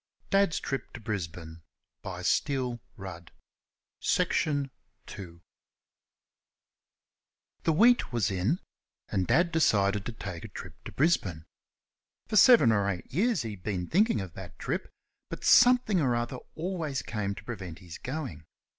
And then he went away. XVI. DAD'S TRIP TO BRISBANE The wheat was in, and Dad decided to take a trip to Brisbane. For seven or eight years he had been thinking of that trip, but something or other always came to prevent his going.